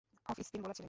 Of spin bowler ছিলেন।